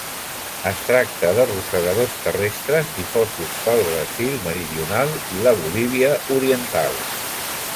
Es tracta de rosegadors terrestres difosos pel Brasil meridional i la Bolívia oriental.